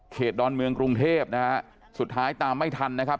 ดอนเมืองกรุงเทพนะฮะสุดท้ายตามไม่ทันนะครับ